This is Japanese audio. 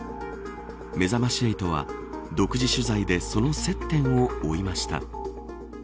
めざまし８は独自取材でその接点を追いました。